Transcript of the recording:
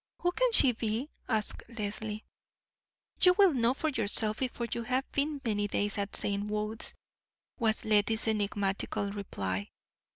Who can she be?" asked Leslie. "You will know for yourself before you have been many days at St. Wode's," was Lettie's enigmatical reply.